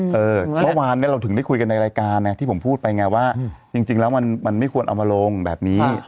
เมื่อวานเราถึงได้คุยกันในรายการไงที่ผมพูดไปไงว่าจริงแล้วมันไม่ควรเอามาลงแบบนี้